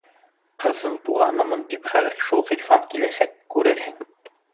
Ҡыҙҙың туғанымын, тип хәҙер шул Ғирфан киләсәк, күрерһең.